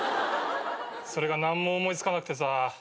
それが何も思い付かなくてさ。